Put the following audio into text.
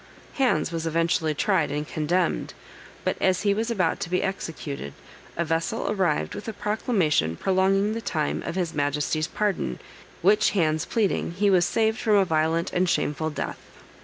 Hands was eventually tried and condemned, but as he was about to be executed, a vessel arrived with a proclamation prolonging the time of his Majesty's pardon, which Hands pleading, he was saved from a violent and shameful death.